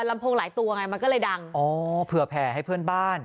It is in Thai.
ลำโพงหลายตัวไงมันก็เลยดังอ๋อเผื่อแผ่ให้เพื่อนบ้าน